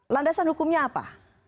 landasan hukumnya apa